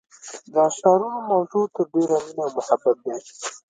د شعرونو موضوع تر ډیره مینه او محبت دی